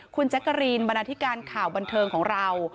คุณแจ๊กกะรีนบรรณาธิการข่าวบันเทิงของเรา